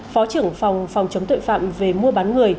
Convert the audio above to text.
phó trưởng phòng phòng chống tội phạm về mua bán người